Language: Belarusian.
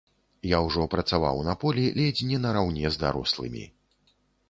Я ўжо працаваў на полі ледзь не нараўне з дарослымі.